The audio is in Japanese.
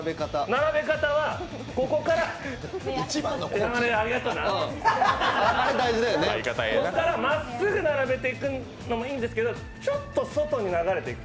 並べ方は、ここからまっすぐ並べていくのもいいんですけれどもちょっと外に流れていく。